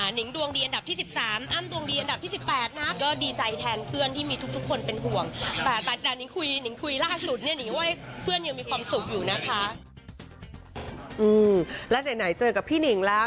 หนิงดวงดีอันดับที่๑๓อ้ำดวงดีอันดับที่๑๘นะ